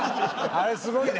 あれすごいね。